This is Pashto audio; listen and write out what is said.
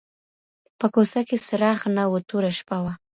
په كوڅه كي څراغ نه وو توره شپه وه